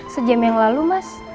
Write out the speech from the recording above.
sejam yang lalu mas